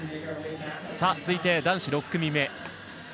続いて男子６組目。